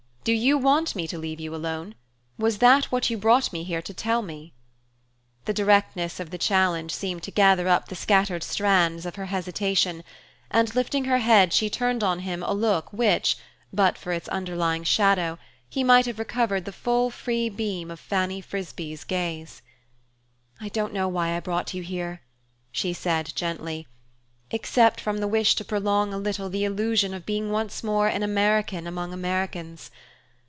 "Do you want me to leave you alone? Was that what you brought me here to tell me?" The directness of the challenge seemed to gather up the scattered strands of her hesitation, and lifting her head she turned on him a look in which, but for its underlying shadow, he might have recovered the full free beam of Fanny Frisbee's gaze. "I don't know why I brought you here," she said gently, "except from the wish to prolong a little the illusion of being once more an American among Americans.